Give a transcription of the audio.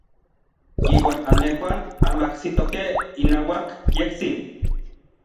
Iuan anmejuan anmajsitokej inauak yejtsin.